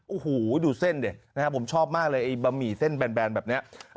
โอ้โหดูเส้นดินะครับผมชอบมากเลยไอ้บะหมี่เส้นแบนแบบนี้